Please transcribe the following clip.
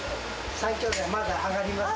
三兄弟、まだ揚がりますよ。